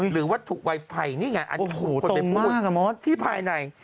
หรือว่าถูกไฟไฟนี่ไงอันตรงมากที่ภายใน